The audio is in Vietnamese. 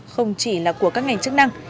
không chỉ là của các ngành chức năng